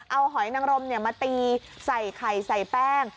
เอาหอยนังรมมาตีใส่ไข่ใส่แป้ง